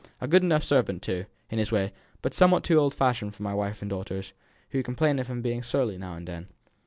A good enough servant, too, in his way; but somewhat too old fashioned for my wife and daughters, who complain of his being surly now and then."